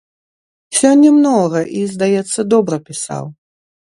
Сёння многа і, здаецца, добра пісаў.